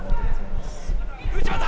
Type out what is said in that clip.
内股！